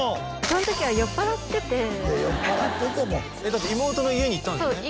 その時は酔っぱらってて妹の家に行ったんですよね？